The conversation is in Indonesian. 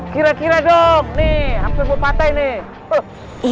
kira kira dong nih hampir mau patah ini